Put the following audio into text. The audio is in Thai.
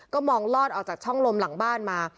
ก็มองลอดออกจากช่องลมหลังบ้านมา